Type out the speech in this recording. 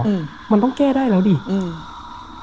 อืมมันต้องแก้ได้แล้วดิอืม